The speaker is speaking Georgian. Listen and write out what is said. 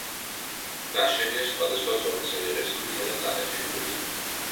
ნაშენია სხვადასხვა ზომის რიყის ქვითა და ნატეხი ქვით.